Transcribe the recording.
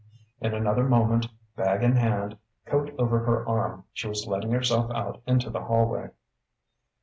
In another moment, bag in hand, coat over her arm, she was letting herself out into the hallway.